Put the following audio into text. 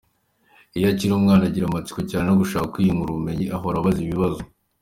Iyo akiri umwana, agira amatsiko cyane no gushaka kwiyungura ubumenyi, ahora abaza ibibazo.